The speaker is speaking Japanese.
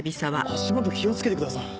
足元気をつけてください。